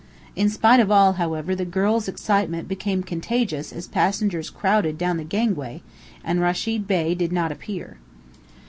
In spite of all, however, the girl's excitement became contagious as passengers crowded down the gangway and Rechid Bey did not appear.